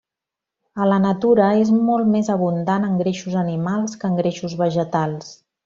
A la natura és molt més abundant en greixos animals que en greixos vegetals.